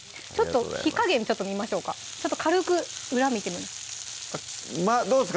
火加減ちょっと見ましょうか軽く裏見てどうですか？